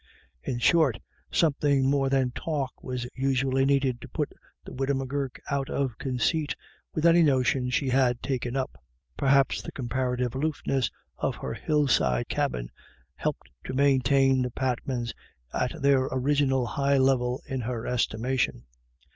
In short, something more than talk was usually needed to put the widow M'Gurk out of conceit with any notion she had taken up. Perhaps the comparative aloofness of her hill side cabin helped to maintain the Pat COMING AND GOING. 295 mans at their original high level in her estimation.